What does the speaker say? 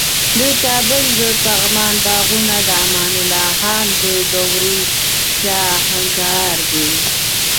د کابل د پغمان باغونه د امان الله خان د دورې شاهکار دي